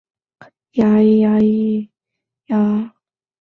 杨屋道市政大厦主持开幕典礼。